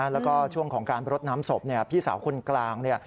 แล้วก็ช่วงของการรดน้ำศพพี่สาวคนกลางเนี่ย